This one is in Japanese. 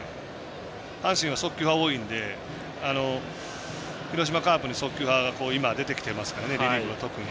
阪神は速球派多いので広島カープに速球派が今は出てきてますからねリリーフ、特に。